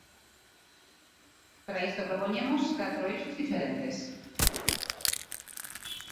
Para isto propoñemos catro eixos diferentes.